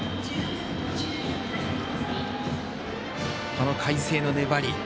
この海星の粘り。